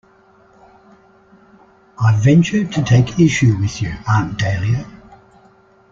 I venture to take issue with you, Aunt Dahlia.